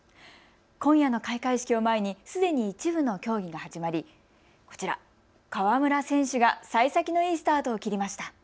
今夜の開会式を前にすでに一部の競技が始まりこちら、川村選手がさい先のいいスタートを切りました。